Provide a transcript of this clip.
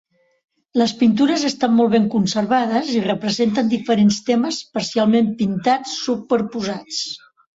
Les pintures estan molt ben conservades i representen diferents temes parcialment pintats superposats.